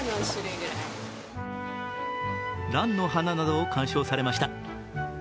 蘭の花などを鑑賞されました。